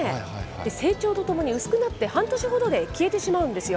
成長とともに薄くなって、半年ほどで消えてしまうんですよ。